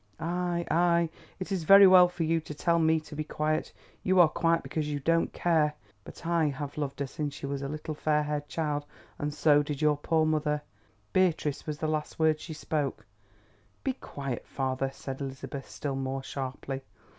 "Ay, ay, it is very well for you to tell me to be quiet. You are quiet because you don't care. You never loved your sister. But I have loved her since she was a little fair haired child, and so did your poor mother. 'Beatrice' was the last word she spoke." "Be quiet, father!" said Elizabeth, still more sharply.